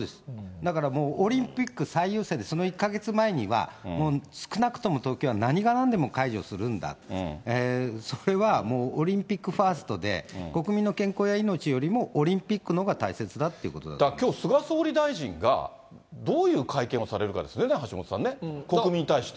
だからもう、オリンピック最優先で、その１か月前には、もう少なくとも東京は何がなんでも解除するんだ、それはもう、オリンピックファーストで、国民の健康や命よりもオリンピックのほうが大切だっていうことにだからきょう、菅総理大臣が、どういう会見をされるかですね、橋下さんね、国民に対して。